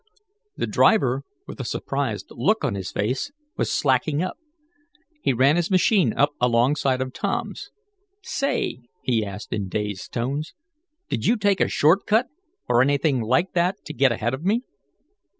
The driver, with a surprised look on his face, was slacking up. He ran his machine up alongside of Tom's. "Say," he asked, in dazed tones, "did you take a short cut, or anything like that to get ahead of me?"